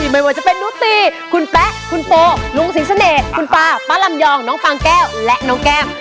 ไม่ว่าจะเป็นนุตีคุณแป๊ะคุณโปลุงสิงเสน่ห์คุณป้าป๊าลำยองน้องฟางแก้วและน้องแก้ม